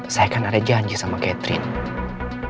saya kan ada janji sama catherine